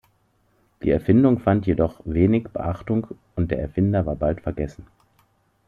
Die Erfindung fand jedoch wenig Beachtung und der Erfinder war bald vergessen.